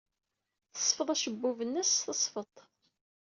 Tesfeḍ acebbub-nnes s tesfeḍt.